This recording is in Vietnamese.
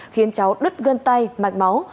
khiến cháu đứt gân tay mạch máu